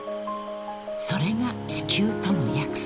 ［それが地球との約束］